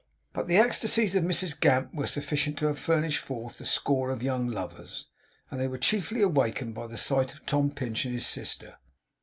But the ecstasies of Mrs Gamp were sufficient to have furnished forth a score of young lovers; and they were chiefly awakened by the sight of Tom Pinch and his sister.